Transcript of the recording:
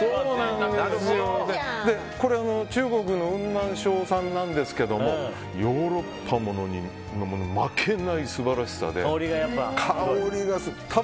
中国の雲南省産なんですけどヨーロッパのものに負けない素晴らしさで香りがすごい。